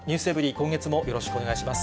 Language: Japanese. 今月もよろしくお願いします。